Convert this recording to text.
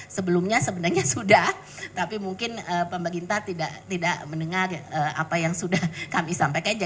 sebelumnya sebenarnya sudah tapi mungkin pemerintah tidak mendengar apa yang sudah kami sampaikan